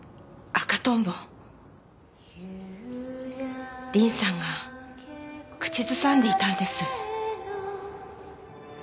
凛さんが口ずさんでいたんです。